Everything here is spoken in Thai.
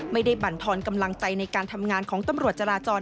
บรรทอนกำลังใจในการทำงานของตำรวจจราจร